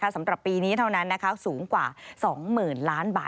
สำหรับปีนี้เท่านั้นสูงกว่า๒๐๐๐ล้านบาท